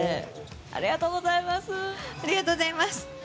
ありがとうございます。